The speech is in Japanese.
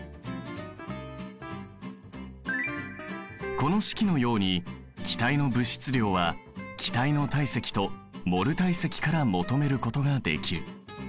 この式のように気体の物質量は気体の体積とモル体積から求めることができる。